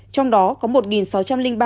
trong đó có một sáu trăm linh ba ca